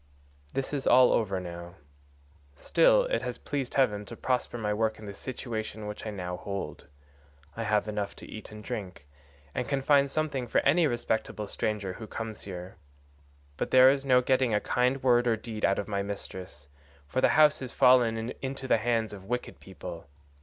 This is all over now. Still it has pleased heaven to prosper my work in the situation which I now hold. I have enough to eat and drink, and can find something for any respectable stranger who comes here; but there is no getting a kind word or deed out of my mistress, for the house has fallen into the hands of wicked people.